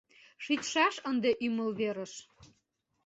Шичшаш ынде ӱмыл верыш.